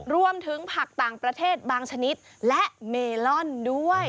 รวมถึงผักต่างประเทศบางชนิดและเมลอนด้วย